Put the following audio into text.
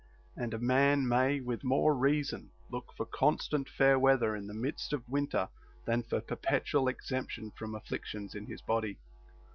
And a man may with more reason look for constant fair weather in the midst of winter than for perpetual exemption from afflictions in his body.